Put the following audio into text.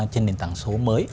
trên nền tảng số mới